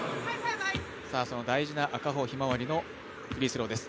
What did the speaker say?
大事な赤穂ひまわりのフリースローです。